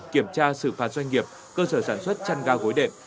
kiểm tra sự phạt doanh nghiệp cơ sở sản xuất chăn ga gối đẹp